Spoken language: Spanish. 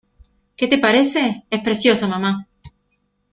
¿ Qué te parece? ¡ es precioso, mamá!